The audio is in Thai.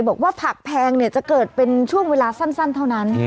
บอกว่าผักแพงจะเกิดเป็นช่วงเวลาสั้นเท่านั้น